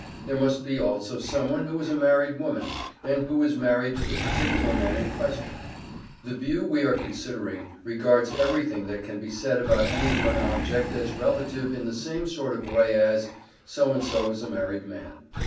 There must be also someone who is a married woman, and who is married to the particular man in question. The view we are considering regards everything that can be said about any one object as relative in the same sort of way as "so and so is a married man."